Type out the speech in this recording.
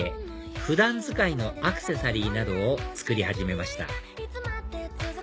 普段使いのアクセサリーなどを作り始めました